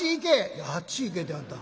「いやあっち行けてあんた。